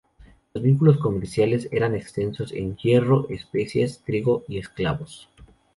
Los vínculos comerciales eran extensos, en hierro, especias, trigo y esclavos.